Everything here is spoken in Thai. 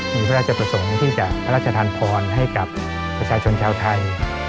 มีพระราชประสงค์ที่จะพระราชทานพรให้กับประชาชนชาวไทย